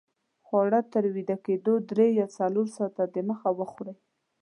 خواړه تر ویده کېدو درې یا څلور ساته دمخه وخورئ